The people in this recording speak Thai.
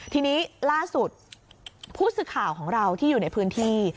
ทีนี้ล่าสุดผู้สื่อข่าวของเราที่อยู่ในพื้นที่